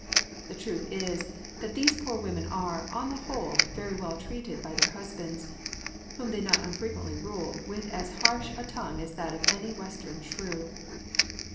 The truth is, that these poor women are, on the whole, very well treated by their husbands, whom they not unfrequently rule with as harsh a tongue as that of any western shrew.